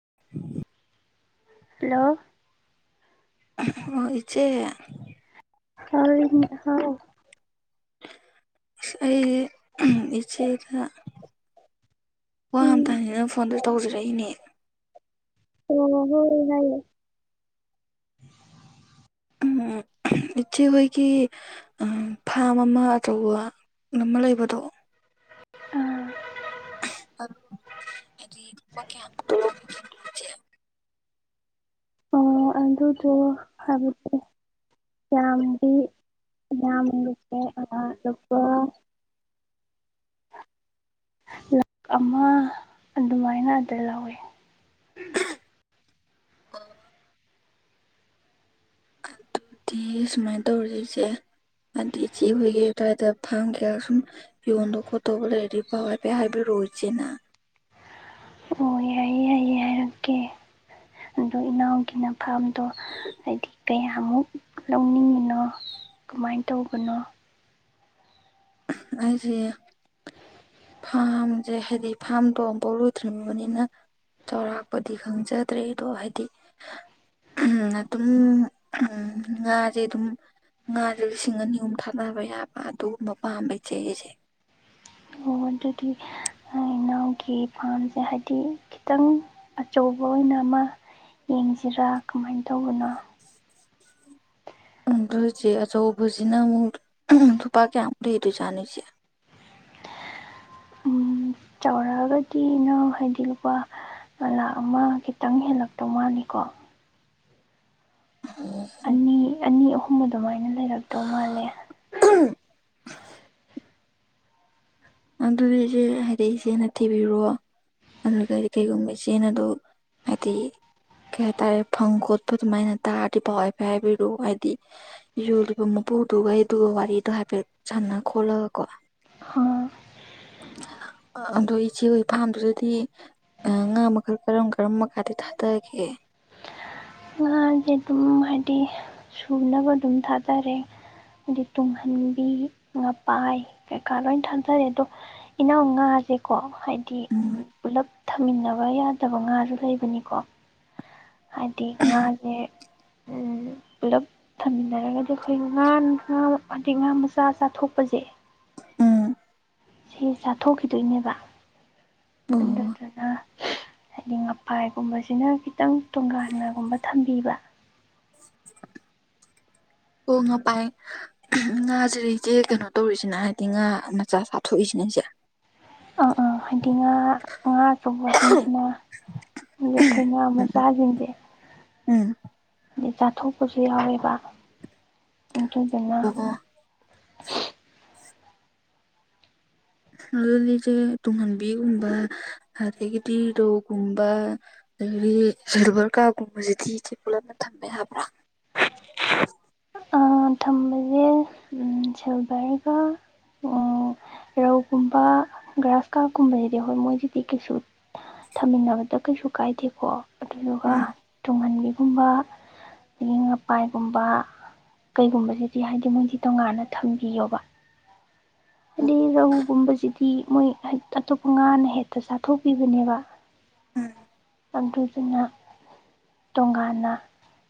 [inaudible] hello ꯑꯣ ꯏꯆꯦ [unintelligible] ꯑꯩ ꯏꯆꯦꯗ ꯋꯥ ꯑꯃ ꯎꯝ ꯇꯥꯅꯒꯦꯅ ꯐꯣꯟꯗ ꯇꯧꯖꯔꯛꯏꯅꯦ ꯑꯣ ꯍꯣꯏ ꯍꯥꯏꯌꯣ ꯎꯝ ꯏꯆꯦ ꯍꯣꯏꯒꯤ ꯑꯝ ꯐꯥꯝ ꯑꯃ ꯑꯆꯧꯕ ꯑꯃ ꯂꯩꯕꯗꯣ ꯑ [unintelligible] ꯑꯣ ꯑꯗꯨꯗꯣ ꯍꯥꯏꯕꯗꯤ ꯌꯥꯝꯗꯤ ꯌꯥꯝꯗꯦ [unintelligible] ꯂꯥꯈ ꯑꯃ ꯑꯗꯨꯃꯥꯏꯅ ꯑꯗ ꯂꯧꯋꯤ ꯑꯗꯨꯗꯤ ꯁꯨꯃꯥꯏꯟ ꯇꯧꯔꯖꯤ ꯏꯆꯦ ꯑꯗꯨ ꯏꯆꯦ ꯍꯣꯏꯒꯤ ꯑꯗꯨꯋꯥꯏꯗ ꯐꯥꯝ ꯀꯌꯥ ꯁꯨꯝ ꯌꯣꯟꯗꯧ ꯈꯣꯠꯇꯧꯕ ꯂꯩꯔꯗꯤ ꯄꯥꯎ ꯍꯥꯏꯐꯦꯠ ꯍꯥꯏꯕꯤꯔꯛꯑꯣ ꯏꯆꯦꯅ ꯑꯣ ꯌꯥꯏꯌꯦ ꯌꯥꯏꯌꯦ ꯍꯥꯏꯔꯛꯀꯦ ꯑꯗꯣ ꯏꯅꯥꯎꯒꯤꯅ ꯐꯥꯝꯗꯣ ꯍꯥꯏꯗꯤ ꯀꯌꯥꯃꯨꯛ ꯂꯧꯅꯤꯡꯉꯤꯅꯣ ꯀꯃꯥꯏꯟ ꯇꯧꯕꯅꯣ ꯑꯩꯖꯦ ꯐꯥꯝꯖꯦ ꯍꯥꯏꯗꯤ ꯐꯥꯝꯗꯣ ꯑꯝꯕꯥꯎ ꯂꯩꯇ꯭ꯔꯤꯕꯅꯤꯅ ꯆꯥꯎꯔꯥꯛꯄꯗꯤ ꯈꯪꯖꯗ꯭ꯔꯦ ꯑꯗꯣ ꯍꯥꯏꯗꯤ ꯎꯝ ꯑꯗꯨꯝ ꯉꯥꯗꯤ ꯑꯗꯨꯝ ꯉꯥꯁꯦ ꯂꯤꯁꯤꯡ ꯑꯅꯤ ꯑꯍꯨꯝ ꯊꯥꯗꯕ ꯌꯥꯕ ꯑꯗꯨꯒꯨꯝꯕ ꯄꯥꯝꯕ ꯏꯆꯦꯒꯤꯁꯦ ꯑꯣ ꯑꯗꯨꯗꯤ ꯊꯥꯏꯅꯥꯒꯤ ꯐ꯭ꯔꯥꯝꯁꯦ ꯍꯥꯏꯕꯗꯤ ꯈꯤꯇꯪ ꯑꯆꯧꯕ ꯑꯣꯏꯅ ꯑꯃ ꯌꯦꯡꯁꯤꯔꯥ ꯀꯃꯥꯏꯅ ꯇꯧꯕꯅꯣ [inaudible] ꯑꯗꯨ ꯏꯆꯦ ꯑꯆꯧꯕꯁꯤꯅ ꯑꯃꯨꯛ ꯂꯨꯄꯥ ꯀꯌꯥꯃꯨꯛ ꯂꯩꯗꯣꯏ ꯖꯥꯠꯅꯣ ꯏꯆꯦ ꯎꯝ ꯆꯥꯎꯔꯛꯑꯒꯗꯤ ꯏꯅꯥꯎ ꯍꯥꯏꯗꯤ ꯂꯨꯄꯥ ꯂꯥꯛ ꯑꯃ ꯈꯤꯇꯪ ꯍꯦꯜꯂꯛꯇꯧ ꯃꯥꯜꯂꯤꯀꯣ ꯑꯅꯤ ꯑꯅꯤ ꯑꯍꯨꯝ ꯑꯗꯨꯃꯥꯏꯅ ꯂꯩꯔꯛꯇꯧ ꯃꯥꯜꯂꯦ ꯑꯗꯨꯗꯤ ꯏꯆꯦ ꯍꯥꯏꯗꯤ ꯏꯆꯦꯅ ꯊꯤꯕꯤꯔꯣ ꯑꯗꯨꯗꯩꯗꯤ ꯀꯩꯒꯨꯝꯕ ꯏꯆꯦ ꯑꯗꯣ ꯍꯥꯏꯗꯤ ꯀꯩ ꯍꯥꯏꯇꯥꯔꯦ ꯐꯪ ꯈꯣꯠꯄ ꯑꯗꯨꯃꯥꯏꯅ ꯇꯥꯔꯗꯤ ꯄꯥꯎ ꯍꯥꯏꯐꯦꯠ ꯍꯥꯏꯕꯤꯔꯣ ꯍꯥꯏꯗꯤ ꯌꯣꯜꯂꯤꯕ ꯃꯄꯨꯗꯨꯒ [unintelligible] ꯋꯥꯔꯤꯗꯣ ꯍꯥꯏꯐꯦꯠ ꯁꯥꯟꯅ ꯈꯣꯠꯂꯒꯀꯣ ꯍꯣꯏ ꯑꯗꯣ ꯏꯆꯦ ꯍꯣꯏ ꯐꯥꯝꯗꯨꯗꯗꯤ ꯉꯥ ꯃꯈꯜ ꯀꯔꯝ ꯀꯔꯝꯕ ꯀꯥꯗꯤ ꯊꯥꯗꯒꯦ ꯉꯥꯁꯦ ꯑꯗꯨꯝ ꯍꯥꯏꯗꯤ ꯁꯨꯅꯕ ꯑꯗꯨꯝ ꯊꯥꯗꯔꯦ ꯍꯥꯏꯗꯤ ꯇꯨꯡꯍꯟꯕꯤ ꯉꯄꯥꯏ ꯀꯩꯀꯥ ꯂꯣꯏ ꯊꯥꯗꯔꯦ ꯑꯗꯣ ꯏꯅꯥꯎ ꯉꯥꯖꯦ ꯀꯣ ꯍꯥꯏꯗꯤ ꯎꯝ ꯄꯨꯂꯞ ꯊꯝꯃꯤꯟꯅꯕ ꯌꯥꯗꯕ ꯉꯥꯖꯨ ꯂꯩꯕꯅꯤꯀꯣ ꯍꯥꯏꯗꯤ ꯉꯥꯖ‌ꯦ ꯎꯝ ꯄꯨꯜꯂꯞ ꯊꯝꯃꯤꯟꯅꯔꯒꯗꯤ ꯑꯩꯈꯣꯏ ꯉꯥ ꯉꯥ ꯍꯥꯏꯗꯤ ꯉꯥ ꯃꯆꯥ ꯆꯥꯊꯣꯛꯄꯁꯦ ꯎꯝ ꯁꯤ ꯆꯥꯊꯣꯛꯈꯤꯗꯨꯏꯅꯦꯕ ꯑꯣ ꯑꯗꯨꯗꯨꯅ ꯍꯥꯏꯗꯤ ꯉꯄꯥꯏꯒꯨꯝꯕꯁꯤꯅ ꯈꯤꯇꯪ ꯇꯣꯉꯥꯟꯅꯒꯨꯝꯕ ꯊꯝꯕꯤꯕ ꯑꯣ ꯉꯥꯄꯥꯏ ꯉꯥꯖꯤꯔ ꯏꯆꯦ ꯀꯩꯅꯣ ꯇꯧꯔꯤꯁꯤꯅ ꯍꯥꯏꯗꯤ ꯉꯥ ꯃꯆꯥ ꯆꯥꯊꯣꯛꯏꯁꯤꯅ ꯏꯆꯦ ꯑꯪ ꯑꯥ ꯍꯥꯏꯗꯤ ꯉꯥ ꯉꯥ ꯑꯆꯧꯕꯁꯤꯡꯁꯤꯅ ꯃꯤ ꯈꯩ ꯉꯥ ꯃꯆꯥꯖꯤꯡꯖꯦ ꯎꯝ ꯑꯗꯩ ꯆꯥꯊꯣꯛꯄꯁꯨ ꯌꯥꯎꯋꯦꯕꯥ ꯑꯗꯨꯗꯨꯅ ꯑꯣ ꯑꯣ ꯑꯗꯨꯗꯤ ꯏꯆꯦ ꯇꯨꯡꯍꯟꯕꯤꯒꯨꯝꯕ ꯑꯗꯒꯤꯗꯤ ꯔꯧꯒꯨꯝꯕ ꯑꯗꯒꯤꯗꯤ ꯁꯤꯜꯚꯔ ꯀꯥ꯭ꯔꯞ ꯀꯨꯝꯕꯖꯤꯗꯤ ꯏꯆꯦ ꯄꯨꯜꯂꯞꯅ ꯊꯝꯕ ꯌꯥꯕ꯭ꯔꯥ ꯊꯝꯕꯖꯦ ꯎꯝ ꯁꯤꯜꯕꯔꯒ ꯔꯧꯒꯨꯝꯕ ꯒ꯭ꯔꯥꯁ ꯀꯥ꯭ꯔꯞꯀꯨꯝꯕꯖꯤꯗꯤ ꯍꯣꯏ ꯃꯣꯏꯖꯤꯗꯤ ꯀꯩꯁꯨ ꯊꯝꯃꯤꯟꯅꯕꯗ ꯀꯩꯁꯨ ꯀꯥꯏꯗꯦꯀꯣ ꯑꯗꯨꯗꯨꯒ ꯎꯝ ꯇꯨꯡꯍꯟꯕꯤꯒꯨꯝꯕ ꯑꯗꯩ ꯉꯄꯥꯏꯒꯨꯝꯕ ꯀꯩꯒꯨꯝꯕꯁꯤꯗꯤ ꯍꯥꯏꯗꯤ ꯃꯣꯏꯗꯤ ꯇꯣꯉꯥꯟꯅ ꯊꯝꯕꯤꯌꯣꯕ ꯑꯣ ꯍꯥꯏꯗꯤ ꯔꯧꯒꯨꯝꯕꯁꯤꯗꯤ ꯃꯣꯏ ꯍꯥꯏ ꯑꯇꯣꯞꯄ ꯉꯥꯅ ꯍꯦꯇ ꯆꯥꯊꯣꯛꯄꯤꯕꯅꯦꯕ ꯎꯝ ꯑꯗꯨꯗꯨꯅ ꯇꯣꯉꯥꯟꯅ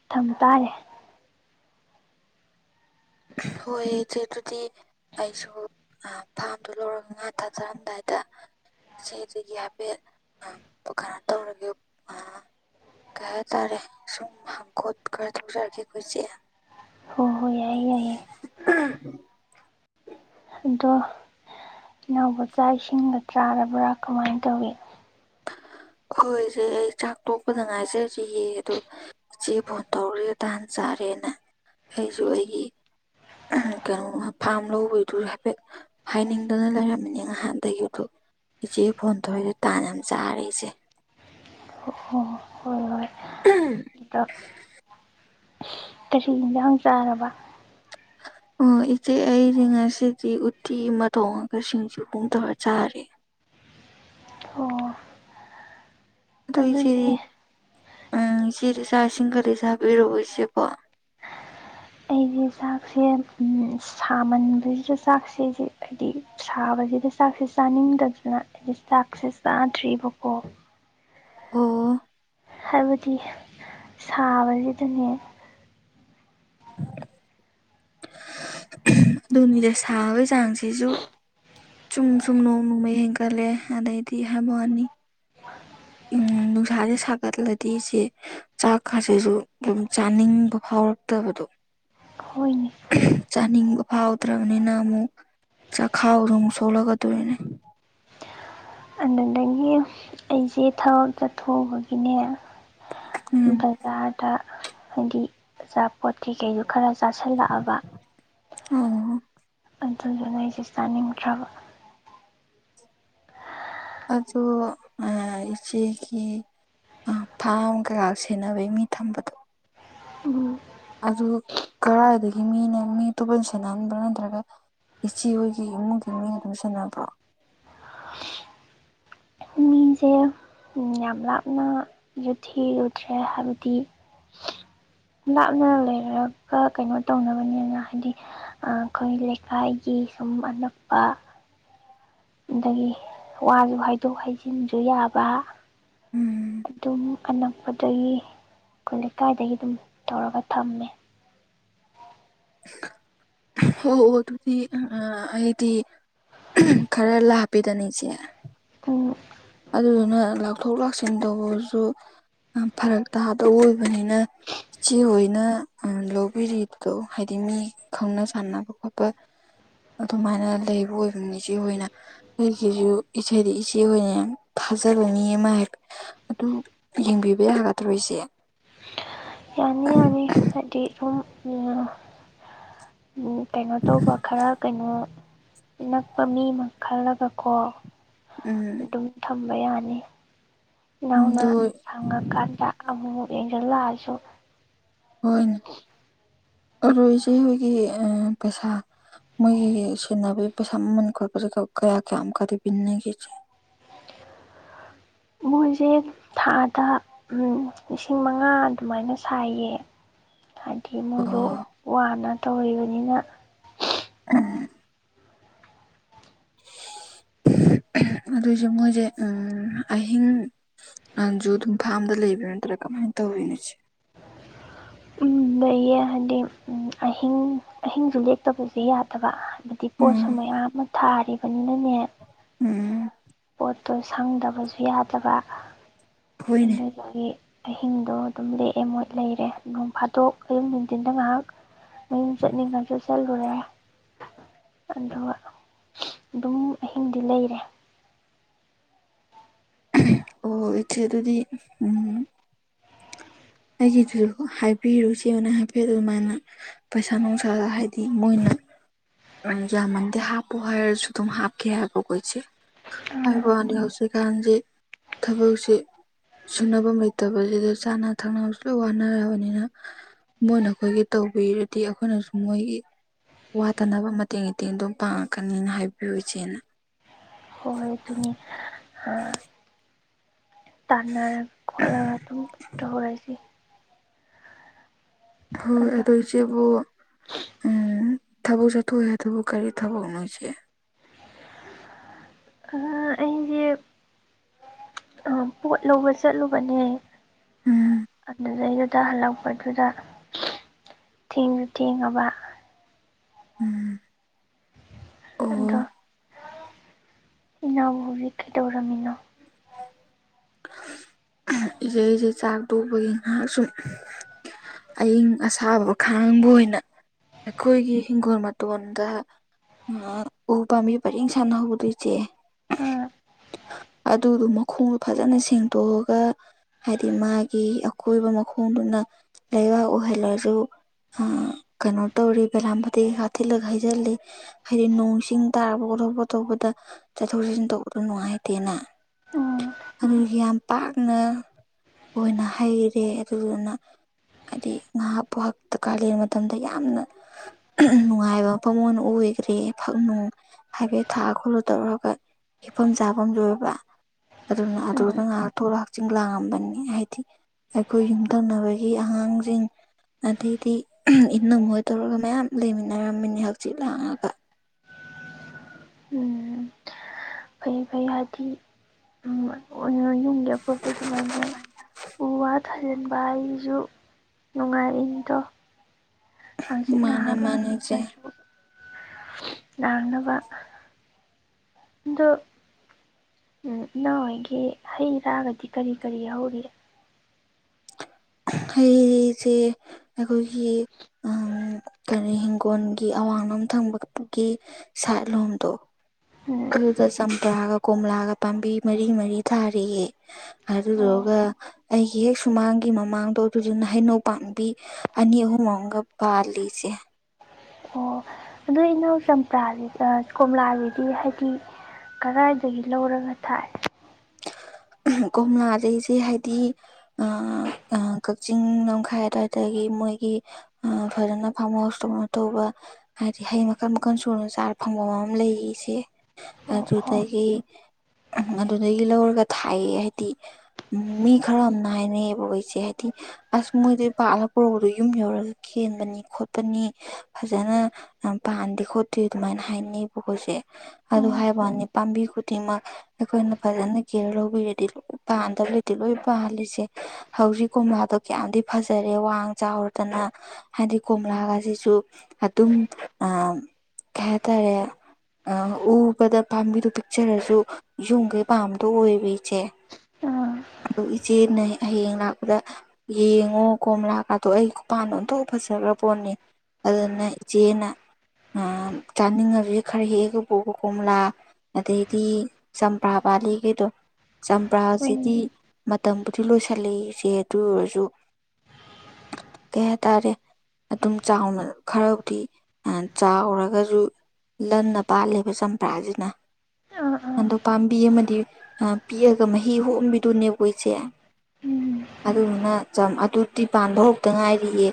ꯊꯝ ꯇꯥꯔꯦ ꯍꯣꯏ ꯏꯆꯦ ꯑꯗꯨꯗꯤ ꯑꯩꯁꯨ ꯑ ꯐꯥꯝꯗ‌ꯣ ꯂꯧꯔꯒ ꯉꯥ ꯊꯥꯗꯔꯝꯗꯥꯏꯗ ꯏꯆꯦꯗꯒꯤ ꯍꯥꯏꯐꯦꯠ ꯑꯥ ꯀꯩꯅꯣ ꯇꯧꯔꯒꯦ ꯑꯥ ꯀꯩ ꯍꯥꯏꯇꯥꯔꯦ ꯁꯨꯝ ꯍꯥꯡꯈ‌ꯣꯠ ꯈꯔ ꯇꯧꯖꯔꯛꯀꯦꯀꯣ ꯏꯆꯦ ꯍꯣ ꯍꯣꯏ ꯌꯥꯏꯌꯦ ꯌꯥꯏꯌꯦ [unintelligible] ꯑꯗꯣ ꯏꯅꯥꯎꯕꯨ ꯆꯥꯛ ꯏꯁꯤꯡꯒ ꯆꯥꯔꯕ꯭ꯔꯥ ꯀꯃꯥꯏꯅ ꯇꯧꯏ ꯍꯣꯏ ꯏꯆꯦ ꯑꯩ ꯆꯥꯛ ꯇꯣꯛꯄꯗ ꯉꯥꯏꯖꯔꯤꯌꯦ ꯑꯗꯣ ꯏꯆꯦ ꯐꯣꯟ ꯇꯧꯔꯦ ꯇꯥꯥꯟ ꯆꯥꯔꯦꯅ ꯑꯩꯁꯨ ꯑꯩꯒꯤ [unintelligible] ꯀꯩꯅꯣꯃꯥ ꯐꯥꯝ ꯂꯧꯕꯩꯗꯨ ꯍꯥꯏꯐꯦꯠ ꯍꯥꯏꯅꯤꯡꯗꯅ ꯂꯩꯔꯝꯃꯤꯅꯦ ꯉꯍꯥꯟꯗꯒꯤ ꯑꯗꯨ ꯏꯆꯦ ꯐꯣꯟ ꯇꯧꯋꯤꯗ‌ꯣ ꯇꯥꯟ ꯌꯥꯝ ꯆꯥꯔꯦ ꯏꯆꯦ ꯑꯣ ꯍꯣꯏ ꯍꯣꯏ [unintelligible] ꯀꯩꯁꯨ ꯍꯤꯟꯖꯥꯡ ꯆꯥꯔꯕ ꯑꯣ ꯏꯆꯦ ꯑꯩꯗꯤ ꯉꯁꯤꯗꯤ ꯎꯠꯇꯤ ꯑꯃ ꯊꯣꯡꯉꯒ ꯁꯤꯡꯖꯨ ꯄꯨꯡ ꯇꯧꯔ ꯆꯥꯔꯦ ꯑꯣ ꯑꯗꯣ ꯏꯆꯦ ꯑꯗꯨꯗꯤ ꯑꯥ ꯏꯆꯦꯗꯤ ꯆꯥꯛ ꯏꯁꯤꯡ ꯒꯗꯤ ꯆꯥꯕꯤꯔꯕ꯭ꯔꯣ ꯏꯆꯦꯕꯣ ꯑꯩꯗꯤ ꯆꯥꯛꯁꯦ ꯎꯝ ꯁꯥꯃꯟꯕꯖꯤꯗ ꯆꯥꯛꯁꯦ ꯑꯩꯗꯤ ꯍꯥꯏꯗꯤ ꯁꯥꯕꯖꯤꯗ ꯆꯥꯛꯁꯦ ꯆꯥꯅꯤꯡꯗꯗꯅ ꯑꯩꯗꯤ ꯆꯥꯛꯁꯦ ꯆꯥꯗ꯭ꯔꯤꯕꯀꯣ ꯑꯣ ꯍꯥꯏꯕꯗꯤ ꯁꯥꯕꯖꯤꯗꯅꯦ ꯑꯗꯨꯅꯤꯅ‌ꯦ ꯁꯥꯕꯩ ꯆꯥꯡꯁꯤꯖꯨ ꯆꯨꯝ ꯆꯨꯝ ꯅꯣꯡꯃ ꯅꯣꯡꯃꯩ ꯍꯦꯟꯀꯠꯂꯦ ꯑꯗꯩꯗꯤ ꯍꯥꯏꯕꯋꯥꯅꯤ ꯎꯝ ꯅꯨꯡꯁꯥꯖꯦ ꯁꯥꯒꯠꯂꯗꯤ ꯏꯆꯦ ꯆꯥꯛꯀꯖꯤꯖꯨ ꯑꯗꯨꯝ ꯆꯥꯅꯤꯡꯕ ꯐꯥꯎꯔꯛꯇꯕꯗꯣ ꯍꯣꯏꯅꯦ ꯆꯥꯅꯤꯡꯕ ꯐꯥꯎꯗ꯭ꯔꯕꯅꯤꯅ ꯑꯃꯨꯛ ꯆꯥꯈꯥꯎꯗꯣ ꯅꯨꯡ ꯁꯣꯛꯂꯛꯀꯗꯨꯔꯤꯅꯦ ꯑꯗꯨꯗꯒꯤ ꯑꯩꯖꯦ ꯊꯕꯛ ꯆꯠꯊꯣꯛꯎꯕꯒꯤꯅꯦ [unintelligible] ꯎꯝ ꯕꯖꯥꯔꯗ ꯍꯥꯏꯗꯤ ꯑꯆꯥꯄꯣꯠ ꯀꯩꯀꯩꯖꯨ ꯈꯔ ꯆꯥꯁꯤꯜꯂꯛꯑꯕ ꯎꯝꯍꯨꯝ ꯑꯗꯨꯗꯨꯅ ꯑꯩꯖꯦ ꯆꯥꯅꯤꯡꯗ꯭ꯔꯕ ꯑꯗꯨ ꯑꯥ ꯏꯆꯦꯒꯤ ꯑꯥ ꯐꯥꯝ ꯀꯩꯀꯥ ꯁꯦꯟꯅꯕꯩ ꯃꯤ ꯊꯝꯕꯗꯣ ꯎꯝ ꯑꯗꯨ ꯀꯔꯥꯏꯗꯒꯤ ꯃꯤꯅ ꯃꯤ ꯑꯇꯣꯞꯄꯅ ꯁꯦꯅꯍꯟꯕ꯭ꯔꯥ ꯅꯠꯇ꯭ꯔꯒ ꯏꯆꯦ ꯍꯣꯏꯒꯤ ꯏꯃꯨꯡꯒꯤ ꯃꯤꯅ ꯑꯗꯨꯝ ꯁꯦꯟꯅꯕ꯭ꯔꯣ ꯁꯤꯌꯨ ꯎꯝ ꯌꯥꯝ ꯂꯥꯞꯅ ꯖꯨ ꯊꯤꯔꯨꯗ꯭ꯔꯦ ꯍꯥꯏꯕꯗꯤ ꯂꯥꯞꯅ ꯂꯩꯔꯒ ꯀꯩꯅꯣ ꯇꯧꯅꯕꯅꯦꯅ ꯍꯥꯏꯗꯤ ꯑꯥ ꯈꯣꯏ ꯂꯩꯀꯥꯏꯒꯤ ꯁꯨꯝ ꯑꯅꯛꯄ ꯑꯗꯒꯤ ꯋꯥꯁꯨ ꯍꯥꯏꯩꯗꯣꯛ ꯍꯥꯏꯖꯤꯟꯖꯨ ꯌꯥꯕ ꯎꯝ ꯑꯗꯨꯝ ꯑꯅꯛꯄꯗꯒꯤ ꯈꯨꯜ ꯂꯩꯀꯥꯏꯗꯒꯤ ꯑꯗꯨꯝ ꯇꯧꯔꯒ ꯊꯝꯃꯦ ꯑꯣ ꯑꯣ ꯑꯗꯨꯗꯤ ꯑꯥ ꯑꯥ ꯑꯩꯗꯤ ꯈꯔ ꯂꯥꯛꯄꯦꯗꯅ ꯏꯆꯦ ꯎꯝ ꯑꯗꯨꯗꯨꯅ ꯂꯥꯛꯊꯣꯛ ꯂꯥꯛꯁꯤꯟ ꯇꯧꯕꯁꯨ ꯌꯥꯝ ꯐꯔꯛ ꯇꯥꯗꯧ ꯑꯣꯏꯕꯅꯤꯅ ꯏꯆꯦ ꯍꯣꯏꯅ ꯑꯥ ꯂꯧꯕꯤꯔꯤꯗꯣ ꯍꯥꯏꯗꯤ ꯃꯤ ꯈꯪꯅ ꯆꯥꯟꯅꯕ ꯈꯣꯠꯄ ꯑꯗꯨꯃꯥꯏꯅ ꯂꯩꯕ ꯑꯣꯏꯕꯅꯤ ꯏꯆꯦꯍꯣꯏꯅ ꯑꯩꯒꯤꯖꯨ ꯏꯆꯦꯗ ꯏꯆꯦ ꯑꯣꯏꯅ ꯌꯥꯝ ꯊꯥꯖꯕ ꯃꯤ ꯑꯃ ꯍꯦꯛ ꯑꯗꯨ ꯌꯦꯡꯕꯤꯕ ꯌꯥꯒꯗ꯭ꯔꯣ ꯏꯆꯦ ꯌꯥꯅꯤ ꯌꯥꯅꯤ ꯍꯥꯏꯗꯤ ꯁꯨꯝ [unintelligible] ꯀꯩꯅꯣ ꯇꯧꯕ ꯈꯔ ꯀꯩꯅꯣ ꯅꯛꯄ ꯃꯤ ꯑꯃ ꯈꯜꯂꯒꯀꯣ ꯎꯝ ꯑꯗꯨꯝ ꯊꯝꯕ ꯌꯥꯅꯤ ꯏꯅꯥꯎꯅ ꯑꯗꯨ ꯁꯪꯉꯀꯥꯟꯗ ꯑꯃꯨꯛ ꯃꯨꯛ ꯌꯦꯡꯖꯟ ꯂꯥꯛꯑꯥꯁꯨ ꯍꯣꯏꯅꯦ ꯑꯗꯣ ꯏꯆꯦ ꯍꯣꯏꯒꯤ ꯑꯥ ꯄꯩꯁꯥ ꯃꯣꯏꯒꯤ ꯁꯦꯟꯅꯕꯒꯤ ꯄꯩꯁꯥ ꯃꯃꯟ ꯈꯣꯠꯄꯖꯦ ꯀꯥ ꯀꯌꯥ ꯀꯌꯥꯃꯨꯛꯀꯗꯤ ꯄꯤꯅꯒꯦ ꯏꯆꯦ ꯃꯣꯏꯖꯦ ꯊꯥꯗ ꯎꯝ ꯂꯤꯁꯤꯡ ꯃꯉꯥ ꯑꯗꯨꯃꯥꯏꯅ ꯁꯥꯏꯌꯦ ꯍꯥꯏꯗꯤ ꯃꯣꯏꯗꯣ ꯑꯣ ꯋꯥꯅ ꯇꯧꯔꯤꯕꯅꯤꯅ ꯑꯥ ꯑꯗꯨꯏꯖꯨ ꯃꯣꯏꯖꯦ ꯎꯝ ꯑꯍꯤꯡ ꯑꯥꯟꯖꯨ ꯑꯗꯨꯝ ꯐꯥꯝꯗ ꯂꯩꯕ꯭ꯔ ꯅꯠꯇ꯭ꯔꯥ ꯀꯃꯥꯏꯅ ꯇꯧꯋꯤ ꯏꯆꯦ ꯎꯝ ꯂꯩꯌꯦ ꯍꯥꯏꯗꯤ ꯑꯍꯤꯡ ꯑꯍꯤꯡꯁꯨ ꯂꯦꯛꯇꯕꯖꯦ ꯌꯥꯗꯕ ꯍꯥꯏꯗꯤ ꯄꯣꯠꯁꯨ ꯎꯝ ꯃꯌꯥꯝ ꯑꯃ ꯊꯥꯔꯤꯕꯅꯤꯅꯅꯦ ꯎꯝ ꯄꯣꯠ ꯇꯣ ꯁꯪꯗꯕꯁꯨ ꯌꯥꯗꯕ ꯍꯣꯏꯅꯦ ꯑꯗꯨ ꯑꯗꯒꯤ ꯑꯍꯤꯡꯗꯣ ꯑꯗꯨꯝ ꯂꯦꯛꯑꯦ ꯃꯣꯏ ꯂꯩꯔꯦ ꯅꯣꯡ ꯐꯥ ꯗꯣꯛ ꯑꯌꯨꯛ ꯅꯨꯡꯊꯤꯟꯗ ꯉꯥꯏꯍꯥꯛ ꯃꯌꯨꯝ ꯆꯠꯅꯤꯡꯉꯁꯨ ꯆꯠꯂꯨꯔꯦ ꯑꯗꯨꯒ ꯑꯗꯨꯝ ꯑꯍꯤꯡꯗꯤ ꯂꯩꯔꯦ ꯑꯣ ꯏꯆꯦ ꯑꯗꯨꯗꯤ ꯎꯝ ꯑꯩꯒꯤꯗꯨ ꯍꯥꯏ ꯄꯤꯔꯨ ꯏꯆꯦ ꯍꯣꯏꯅ ꯍꯥꯏꯐꯦꯠ ꯑꯗꯨꯃꯥꯏꯅ ꯄꯩꯁꯥ ꯅꯨꯡꯁꯥ ꯍꯥꯏꯗꯤ ꯃꯣꯏꯅ ꯌꯥꯃꯟꯗꯦ ꯍꯥꯞꯄꯣ ꯍꯥꯏꯔꯁꯨ ꯑꯗꯨꯝ ꯍꯥꯞꯀꯦ ꯍꯥꯏꯕ ꯀꯣ ꯏꯆꯦ ꯍꯣꯏ ꯍꯥꯏꯕꯋꯥꯅꯤ ꯍꯧꯖꯤꯀꯥꯟꯖꯤ ꯊꯕꯛꯁꯤ ꯁꯨꯅꯐꯝ ꯂꯩꯇꯕꯁꯤꯗ ꯆꯥꯅ ꯊꯛꯅꯕꯁꯨ ꯂꯣꯏ ꯋꯥꯅꯔꯕꯅꯤꯅ ꯃꯣꯏꯅ ꯑꯩꯈꯣꯏꯒꯤ ꯇꯧꯕꯤꯔꯗꯤ ꯑꯩꯈꯣꯏꯅꯁꯨ ꯃꯣꯏꯒꯤ ꯋꯥꯠꯇꯅꯕ ꯃꯇꯦꯡ ꯏꯇꯦꯡ ꯑꯗꯨꯝ ꯄꯥꯡꯉꯛꯀꯅꯤꯅ ꯍꯥꯏꯕꯤꯌꯨ ꯏꯆꯦꯅ [unintelligible] [inaudible] ꯇꯥꯟꯅꯔꯒ ꯈꯣꯠꯂꯒ ꯑꯗꯨꯝ ꯇꯧꯔꯁꯤ ꯍꯣꯏ ꯑꯗꯣ ꯏꯆꯦꯕꯨ ꯎꯝ ꯊꯕꯛ ꯆꯠꯊꯣꯛꯑꯦ ꯍꯥꯏꯗꯨꯕꯨ ꯀꯔꯤ ꯊꯕꯛꯅꯣ ꯏꯆꯦ ꯑꯥ ꯑꯩꯖꯦ ꯄꯣꯠ ꯂꯧꯕ ꯆꯠꯂꯨꯕꯅꯦ ꯎꯝ ꯑꯗꯨꯗꯩꯗ ꯇ ꯍꯜꯂꯛꯄꯗꯨꯗ ꯊꯦꯡꯁꯨ ꯊꯦꯡꯉꯕ ꯎꯝ ꯑꯗꯣ ꯑꯣ ꯏꯅꯥꯎꯕꯨ ꯍꯧꯖꯤꯛ ꯀꯩꯗꯧꯔꯝꯃꯤꯅꯣ ꯏꯆꯦ ꯑꯩꯁꯦ ꯆꯥꯛ ꯇꯣꯛꯄꯒꯤ ꯉꯥꯏꯍꯥꯛ ꯁꯨꯝ ꯑꯏꯪ ꯑꯁꯥꯕ ꯈꯥꯡꯕ ꯑꯣꯏꯅ ꯑꯩꯈꯣꯏꯒꯤ ꯍꯤꯡꯒꯣꯜ ꯃꯇꯣꯟꯗ ꯑ ꯎ ꯄꯥꯝꯕꯤ ꯄꯔꯦꯡ ꯁꯥꯟꯅ ꯍꯧꯕꯗꯣ ꯏꯆꯦ ꯎꯝ ꯑꯗꯨꯗꯣ ꯃꯈꯣꯡꯗꯨ ꯐꯖꯅ ꯁꯦꯡꯗꯣꯛꯑꯒ ꯍꯥꯏꯗꯤ ꯃꯥꯒꯤ ꯑꯀꯣꯏꯕ ꯃꯈꯣꯡꯗꯨꯅ ꯂꯩꯕꯥꯛ ꯑꯣꯏꯍꯜꯂꯖꯨ ꯎꯝ ꯀꯩꯅꯣ ꯇꯧꯔꯦ ꯕꯦꯂꯥꯝꯕꯗꯤ ꯍꯥ ꯊꯤꯠꯂꯒ ꯍꯩꯖꯤꯜꯂꯤ ꯍꯥꯏꯗꯤ ꯅꯣꯡ ꯏꯁꯤꯡ ꯇꯥꯕ ꯈꯣꯠꯊꯣꯛꯄ ꯇꯧꯔꯛꯄꯗ ꯆꯠꯊꯣꯛ ꯆꯠꯁꯤꯟ ꯇꯧꯕꯗꯣ ꯅꯨꯡꯉꯥꯏꯇꯦꯅ ꯎꯝ ꯑꯗꯨꯒꯤ ꯌꯥꯝ ꯄꯥꯛꯅ ꯑꯣꯏꯅ ꯍꯩꯔꯦ ꯑꯗꯨꯗꯨꯅ ꯍꯥꯏꯗꯤ ꯉꯥꯏꯍꯥꯛꯄꯛ ꯀꯥꯂꯦꯟ ꯃꯇꯝꯗ ꯌꯥꯝꯅ ꯅꯨꯡꯉꯥꯏꯕ ꯃꯐꯝ ꯉꯣꯟ ꯑꯣꯏꯈ꯭ꯔꯦ ꯐꯛꯅꯨꯡ ꯍꯥꯏꯐꯦꯠ ꯊꯥ ꯈꯣꯠꯜꯂ ꯇꯧꯔꯒ ꯍꯤꯐꯝ ꯆꯥꯐꯝ ꯑꯣꯏꯕ ꯑꯗꯨꯅ ꯑꯗꯨꯗ ꯎꯝ ꯉꯥꯍꯥꯛ ꯊꯣꯛꯂꯛꯑ ꯍꯛꯆꯤꯡ ꯂꯥꯡꯉꯝꯕꯅꯤ ꯍꯥꯏꯗꯤ ꯑꯩꯈꯣꯏ ꯌꯨꯝꯊꯪꯅꯕꯒꯤ ꯑꯉꯥꯡꯖꯤꯡ ꯑꯗꯩꯗꯤ ꯏꯟꯅꯝ ꯍꯣꯏ ꯇꯧꯔꯒ ꯃꯌꯥꯝ ꯂꯩꯃꯤꯟꯅꯔꯝꯃꯤꯅꯤ ꯍꯛꯆꯤꯠ ꯂꯥꯡꯉꯒ ꯎꯝ ꯐꯩꯌꯦ ꯐꯩ ꯍꯥꯏꯗꯤ ꯎꯝ [unintelligible] ꯌꯨꯝꯒꯤ ꯑꯄꯣꯠꯄ ꯁꯨꯃꯥꯏꯅ ꯎ ꯋꯥ ꯊꯥꯖꯤꯟꯕ ꯍꯥꯏꯖꯤꯖꯨ ꯅꯨꯡꯉꯥꯏꯔꯤꯅꯤꯗꯣ ꯍꯥꯡꯆꯤꯠ ꯃꯥꯅ ꯉꯍꯥꯛ ꯃꯥꯅꯁꯦ ꯂꯥꯡꯅꯤꯡꯉꯁꯨ ꯂꯥꯡꯅꯕ ꯑꯗꯨ ꯎꯝ ꯏꯅꯥꯎ ꯍꯣꯏꯒꯤ ꯍꯩ ꯔꯥꯒꯗꯤ ꯀꯔꯤ ꯀꯔꯤ ꯍꯧꯔꯤ ꯍꯩꯖꯦ ꯑꯩꯈꯣꯏꯒꯤ ꯀꯔꯤ ꯏꯤꯡꯈꯣꯜꯒꯤ ꯑꯋꯥꯡꯂꯣꯝ ꯊꯪꯕꯒꯤ ꯁꯥꯏꯠꯂꯣꯝꯗꯣ ꯎꯝ ꯑꯗꯨꯗ ꯆꯝꯄ꯭ꯔꯥꯒ ꯀꯣꯝꯂꯥꯒ ꯄꯥꯝꯕꯤ ꯃꯔꯤ ꯃꯔꯤ ꯊꯥꯔꯤꯌꯦ ꯑꯣ ꯑꯗꯨꯗꯨꯒ ꯑꯩꯒꯤ ꯍꯦꯛ ꯁꯨꯃꯥꯡꯒꯤ ꯃꯃꯥꯡ ꯑꯣ ꯑꯗꯨꯗꯨꯅ ꯍꯩꯅꯧ ꯄꯥꯡꯕꯤ ꯑꯅꯤ ꯑꯍꯨꯝ ꯑꯝꯒ ꯄꯥꯜꯂꯤ ꯏꯆꯦ ꯑꯣ ꯍꯧꯅꯧ ꯆꯝꯄ꯭ꯔꯥ ꯀꯣꯝꯂꯥꯒꯤꯗꯤ ꯍꯥꯏꯗꯤ ꯀꯗꯥꯏꯗꯒꯤ ꯂꯧꯔꯒ ꯊꯥꯏ ꯀꯣꯝꯂꯥꯖꯦ ꯏꯆꯦ ꯍꯥꯏꯗꯤ ꯑꯥ ꯀꯥꯛꯆꯤꯡ ꯂꯝꯈꯥꯏ ꯑꯗꯨꯋꯥꯏꯗꯒꯤ ꯃꯣꯏꯒꯤ ꯎꯝ ꯐꯖꯅ ꯐꯥꯝꯍꯥꯎꯁ ꯇꯧꯅ ꯇꯧꯕ ꯍꯥꯏꯗꯤ ꯍꯩ ꯃꯈꯜ ꯃꯈꯜ ꯁꯨꯅ ꯆꯥꯔ ꯐꯪꯐꯝ ꯑꯃ ꯂꯩꯌꯦ ꯑꯣ ꯑꯣ ꯑꯗꯨꯗꯒꯤ ꯎ ꯑꯗꯨꯗꯒꯤ ꯂꯧꯔꯒ ꯊꯥꯏꯌꯦ ꯑꯩꯗꯤ ꯃꯤ ꯈꯔ ꯑꯃꯅ ꯍꯥꯏꯅꯩꯌꯦꯕ ꯍꯣ ꯏꯆꯦ ꯑꯩꯗꯤ ꯑꯁ ꯃꯣꯏꯗ ꯄꯥꯥꯛꯂ ꯄꯨꯔꯛꯗꯣ ꯌꯨꯝ ꯌꯧꯔꯒ ꯀꯦꯟꯕꯅꯤ ꯈꯣꯠꯄꯅꯤ ꯐꯖꯅ ꯄꯥꯟꯗꯦ ꯈꯣꯠꯇꯦ ꯑꯗꯨꯃꯥꯏꯅ ꯍꯥꯏꯅꯩꯕꯀꯣ ꯏꯆꯦ ꯑꯗꯨ ꯑꯣ ꯍꯥꯏꯋꯥꯅꯤ ꯄꯥꯝꯕꯤ ꯈꯨꯗꯤꯡꯃꯛ ꯑꯩꯈꯣꯏꯅ ꯐꯖꯅ ꯀꯦꯌꯔ ꯂꯧꯕꯤꯔꯗꯤ ꯂꯣꯏ ꯄꯥꯟꯗꯕ ꯂꯩꯇꯦ ꯂꯣꯏ ꯄꯥꯜꯂꯤꯁꯦ ꯍꯧꯖꯤꯛ ꯀꯣꯝꯂꯥꯗꯣ ꯀꯌꯥꯝꯗꯤ ꯐꯖꯔꯦ ꯋꯥꯡ ꯆꯥꯎꯔꯗꯅ ꯍꯥꯏꯗꯤ ꯀꯣꯝꯂꯥꯒꯁꯤꯁꯨ ꯑꯗꯨꯝ ꯑ ꯀꯩ ꯍꯥꯏꯇꯥꯔꯦ ꯑ ꯎꯕꯗ ꯄꯥꯝꯕꯤꯗꯣ ꯄꯤꯛꯆꯔꯁꯨ ꯌꯨꯝꯒꯩ ꯄꯥꯝꯗꯣ ꯑꯣꯏꯌꯦꯕ ꯏꯆꯦ ꯑꯥ ꯑꯗꯨ ꯏꯆꯦꯅ ꯍꯌꯦꯡ ꯂꯥꯛꯄꯗ ꯌꯦꯡꯉꯣ ꯀꯣꯝꯂꯥꯀꯥꯗꯣ ꯑꯩ ꯈꯨꯄꯥꯟꯗꯣ ꯑꯣꯟꯊꯣꯛ ꯐꯖꯈ꯭ꯔ ꯄꯣꯠꯅꯤ ꯑꯗꯨꯅꯦ ꯏꯆꯦꯅ ꯆꯥꯅꯤꯡꯉꯁꯦ ꯈꯔ ꯍꯦꯛꯑꯒ ꯄꯨꯒꯣ ꯀꯣꯝꯂꯥ ꯑꯗꯩꯗꯤ ꯆꯝꯄ꯭ꯔꯥ ꯄꯂꯤꯒꯤꯦꯗꯣ ꯆꯝꯄ꯭ꯔꯁꯤꯗꯤ ꯍꯣꯏꯅꯦ ꯃꯇꯝꯕꯨꯗꯤ ꯂꯣꯏꯁꯤꯜꯂꯛꯑꯦ ꯏꯆꯦ ꯑꯗꯨ ꯑꯣꯏꯔꯁꯨ ꯀꯩ ꯍꯥꯏꯇꯥꯔꯦ ꯑꯗꯨꯝ ꯆꯥꯎꯅ ꯈꯔꯕꯨꯗꯤ ꯆꯥꯎꯔꯒꯁꯨ ꯂꯟꯅ ꯄꯥꯜꯂꯦꯕ ꯆꯝꯄ꯭ꯔꯥꯁꯤꯅ ꯑꯥ ꯑꯥ ꯑꯗꯣ ꯄꯥꯝꯕꯤ ꯑꯃꯗꯤ ꯑꯥ ꯄꯤꯛꯑꯒ ꯃꯍꯤ ꯍꯣꯝꯕꯤꯗꯨꯅꯦꯕꯀꯣ ꯏꯆꯦ ꯎꯝ ꯑꯗꯨꯗꯨꯅ ꯖꯥꯝ ꯑꯗꯨꯗꯤ ꯄꯥꯟꯕ ꯍꯧꯔꯛꯇ ꯉꯥꯏꯔꯤꯌꯦ